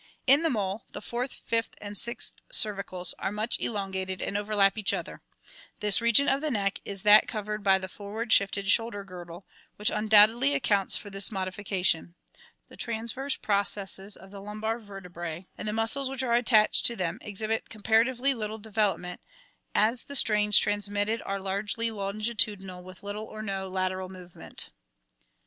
In the mole the fourth, fifth, and sixth cervicals are much elon gated and overlap each other. This region of the neck is that cov ered by the forward shifted shoulder girdle, which undoubtedly accounts for this modification. The transverse processes of the lumbar vertebrae and the muscles which are attached to them ex hibit comparatively little development, as the strains transmitted are largely longitudinal with little or no lateral movement.